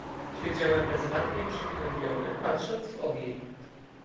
"Siedziałem bezradny i przygnębiony, patrząc w ogień."